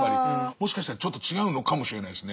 もしかしたらちょっと違うのかもしれないですね。